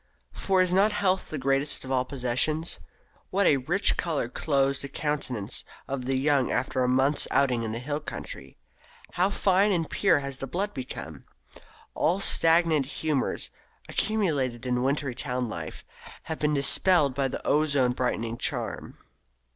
For is not health the greatest of all possessions? What a rich colour clothes the countenance of the young after a month's outing in the hill country! How fine and pure has the blood become! All stagnant humours, accumulated in winter town life, have been dispelled by the ozone brightening charm.